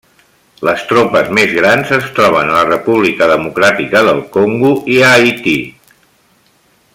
Les tropes més grans es troben a la República Democràtica del Congo i a Haití.